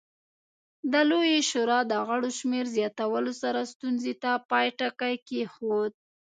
د لویې شورا د غړو شمېر زیاتولو سره ستونزې ته پای ټکی کېښود